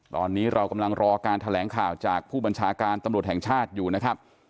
ตอนนี้เรากำลังรอการแถลงข่าวจากผู้บัญชาการตำรวจแห่งชาติอยู่นะครับ